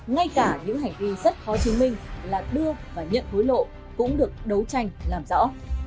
ngay cả những hành vi rất khó chứng minh là đưa và nhận hối lộ cũng được đấu tranh làm rõ